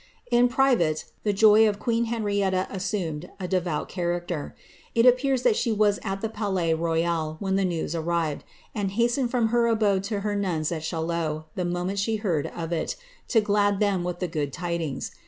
In private, the joy of queen Henrietta assumed a devout character ; it appears that she was at the Palais Royal when the news arrived, and hastened from her abode to her nuns at Chaillot the moment she heard of iu to glad them with the good tidings.